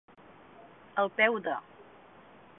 Al peu de.